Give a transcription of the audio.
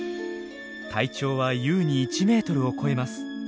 体長は優に１メートルを超えます。